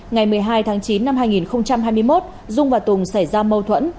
ngày một mươi hai tháng chín năm hai nghìn hai mươi một dung và tùng xảy ra mâu thuẫn